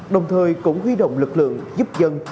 đồng thời cũng huy động lực lượng giúp dân